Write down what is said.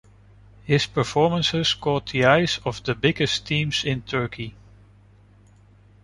His performances caught the eyes of the biggest teams in Turkey.